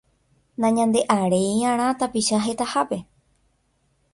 Nañande'aréi'arã tapicha hetahápe.